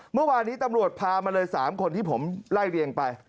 เมื่อวานนี้ตำรวจพามาเลย๓คนที่ผมไล่เรียงไป